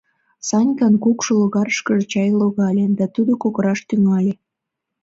Санькан кукшу логарышкыже чай логале да тудо кокыраш тӱҥале.